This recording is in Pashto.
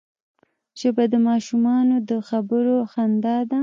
ژبه د ماشومانو د خبرو خندا ده